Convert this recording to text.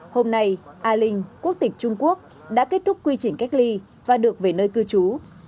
hôm nay al linh quốc tịch trung quốc đã kết thúc quy trình cách ly và được về nơi cư trú